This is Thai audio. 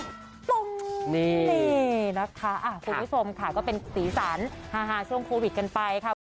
นี่นะคะคุณผู้ชมค่ะก็เป็นสีสันฮาช่วงโควิดกันไปค่ะ